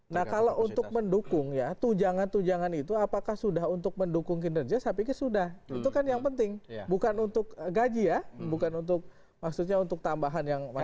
nah kalau untuk mendukung ya tujangan tujangan itu apakah sudah untuk mendukung kinerja saya pikir sudah itu kan yang penting bukan untuk gaji ya bukan untuk maksudnya untuk tambahan yang wajib